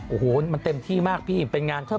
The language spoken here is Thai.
โอ้โหมันเต็มที่มากพี่เป็นงาน